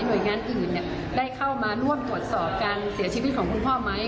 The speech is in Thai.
โดยงานอื่นได้เข้ามาร่วมตรวจสอบการเสียชีวิตของคุณพ่อไหม